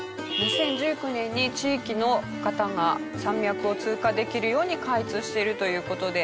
２０１９年に地域の方が山脈を通過できるように開通してるという事で。